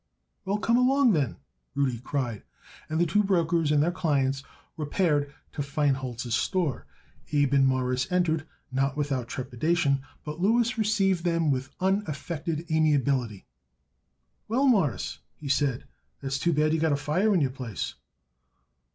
"Well, come along, then," Rudy cried, and the two brokers and their clients repaired to Feinholz's store. Abe and Morris entered not without trepidation, but Louis received them with unaffected amiability. "Well, Mawruss," he said, "that's too bad you got a fire in your place."